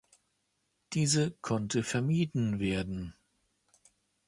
Diese konnte vermieden werden.